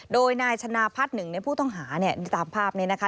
โดยนายชนะพัฒน์หนึ่งในผู้ต้องหาเนี่ยตามภาพนี้นะคะ